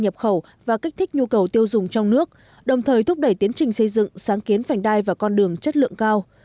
nhập khẩu và kích thích nhu cầu tiêu dùng trong nước đồng thời thúc đẩy tiến trình xây dựng sáng kiến vành đai và con đường chất lượng cao